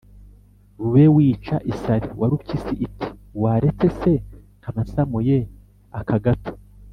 bube wica isari. “ Warupyisi iti: “Waretse se nkaba nsamuye aka gato,